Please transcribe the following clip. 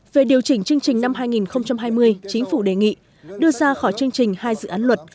về điều chỉnh chương trình năm hai nghìn hai mươi chính phủ đề nghị đưa ra khỏi chương trình hai dự án luật